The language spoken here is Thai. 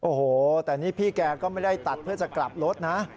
โอ้โหแต่นี่พี่แกก็ไม่ได้ตัดเพื่อจะกลับรถนะ